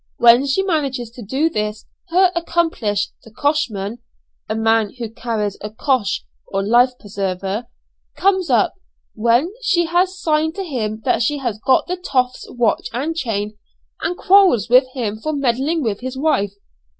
When she manages to do this her accomplice the coshman (a man who carries a 'cosh' or life preserver) comes up, when she has signed to him that she has got the 'toff's' watch and chain, and quarrels with him for meddling with his wife.